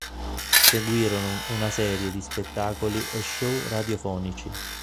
Seguirono una serie di spettacoli e show radiofonici.